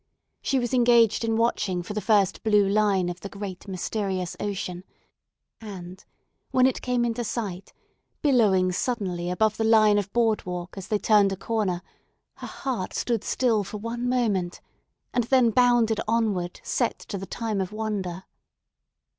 She was engaged in watching for the first blue line of the great mysterious ocean; and, when it came into sight, billowing suddenly above the line of board walk as they turned a corner, her heart stood still for one moment, and then bounded onward set to the time of wonder.